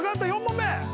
４問目。